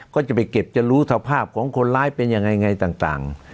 ก็จะไปเก็บจะรู้สภาพของคนร้ายเป็นยังไงต่าง